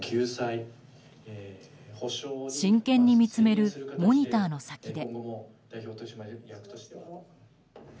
真剣に見つめるモニターの先で。